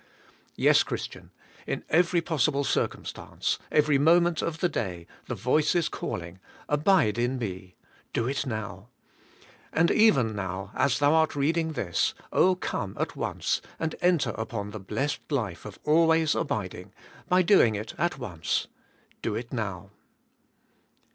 Yes, Christian, in every pos sible circumstance, every moment of the day, the 118 ABIDE IN CHRIST: voice is calling, Abide in me : do it now. And even now, as thou art reading this, come at once, and enter upon the blessed life of always abiding, by doing it at once: do it now.